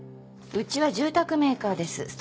うちは住宅メーカーです。